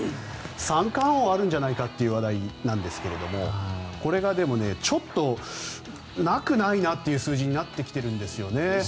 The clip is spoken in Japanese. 三冠王あるんじゃないかという話題なんですがこれがでも、ちょっとなくないなという数字になってきています。